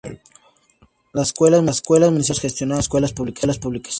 Las Escuelas Municipales de Taos gestiona escuelas públicas.